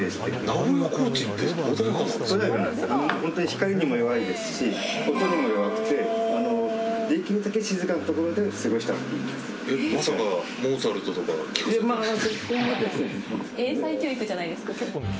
光にも弱いですし音にも弱くてできるだけ静かなところで過ごしたほうがいいんです。